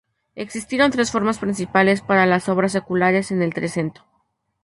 Existieron tres formas principales para las obras seculares en el "Trecento".